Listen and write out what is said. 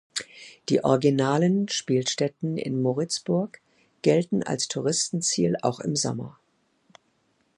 Die originalen Spielstätten in Moritzburg gelten als Touristenziel auch im Sommer.